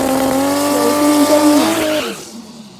尤金真蚓。